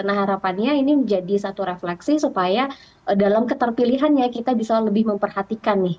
nah harapannya ini menjadi satu refleksi supaya dalam keterpilihannya kita bisa lebih memperhatikan nih